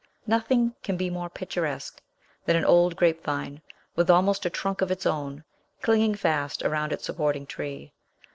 Nothing can be more picturesque than an old grapevine, with almost a trunk of its own, clinging fast around its supporting tree.